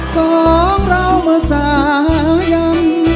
สองเรามาสายัง